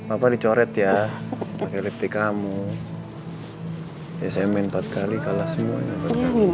apa dicoret ya pakai lipstick kamu ya saya main empat kali kalah semuanya gimana sih segitu aja kalau